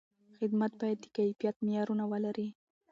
خدمت باید د کیفیت معیارونه ولري.